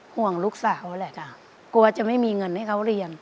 ห่วงลูกสาวแหละค่ะกลัวจะไม่มีเงินให้เขาเรียน